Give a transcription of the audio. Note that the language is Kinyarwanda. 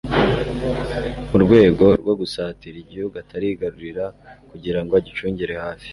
mu rwego rwo gusatira igihugu atarigarurira kugira ngo agicungire hafi,